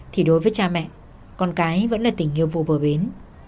thì đối với cha mẹ con cái vẫn là tình yêu vụ vừa bến